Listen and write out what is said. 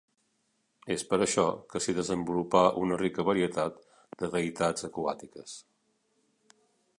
És per això que s'hi desenvolupà una rica varietat de deïtats aquàtiques.